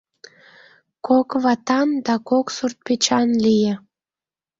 Кок ватан да кок суртпечан лие.